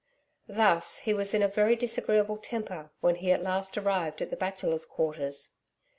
Thus, he was in a very disagreeable temper, when he at last arrived at the Bachelors' Quarters.